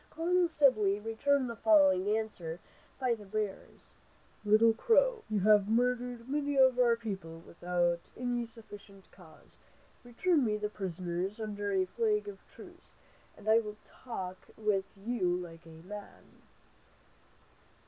Colonel Sibley returned the following answer by the bearers: "Little Crow, you have murdered many of our people without any sufficient cause. Return me the prisoners under a flag of truce, and I will talk with you like a man."